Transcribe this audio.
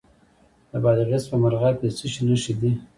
د بادغیس په مرغاب کې د څه شي نښې دي؟